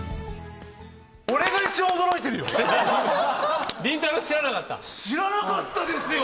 俺が一番驚いてるよ？